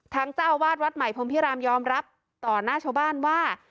เจ้าอาวาสวัดใหม่พรมพิรามยอมรับต่อหน้าชาวบ้านว่า